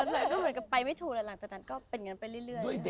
ตอนนั้นหน่อยก็ไปไม่ถูกเลยหลังจากนั้นก็เป็นกันไปเรื่อย